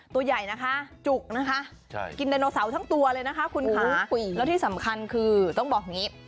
ตัวใหญ่นะคะจุกนะคะกินไดโนเสาร์ทั้งตัวเลยนะคะคุณค่ะแล้วที่สำคัญคือต้องบอกอย่างนี้